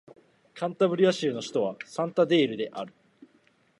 カンタブリア州の州都はサンタンデールである